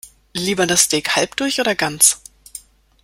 Lieber das Steak halb durch oder ganz?